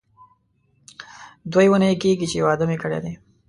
دوې اونۍ کېږي چې واده مې کړی دی.